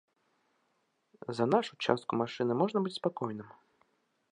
За нашу частку машыны можна быць спакойным!